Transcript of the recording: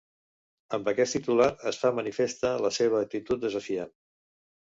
Amb aquest titular es fa manifesta la seva actitud desafiant.